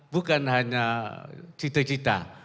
bukan hanya cita cita